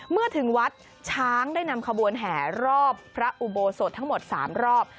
เมื่อถึงวัดช้างได้นำขบวนแห่รอบพระอุโบสถทั้งหมด๓รอบ